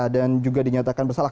dan juga dinyatakan bersalah